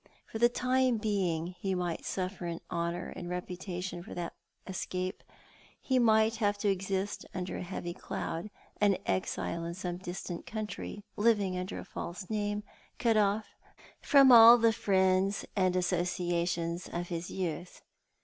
For the time being he might suffer in honour and reputation by that escape, he might have to exist under a lieavy cloud — an exile in some distant country, living under a false name, cut off from all the friends and associations of his youth.